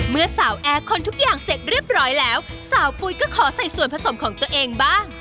เมื่อสาวแอร์คนทุกอย่างเสร็จเรียบร้อยแล้วสาวปุ๋ยก็ขอใส่ส่วนผสมของตัวเองบ้าง